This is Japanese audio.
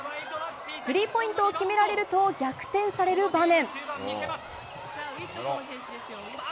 スリーポイントを決められると逆転される場面。